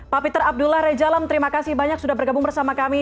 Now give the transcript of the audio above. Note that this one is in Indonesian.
pak peter abdullah rejalam terima kasih banyak sudah bergabung bersama kami